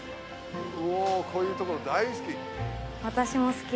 おこういうところ大好き！